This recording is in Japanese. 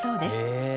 「へえ！